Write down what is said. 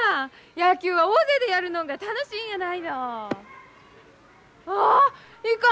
野球は大勢でやるのんが楽しいんやないの。ああいかん。